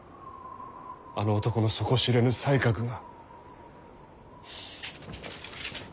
あの男の底知れぬ才覚が。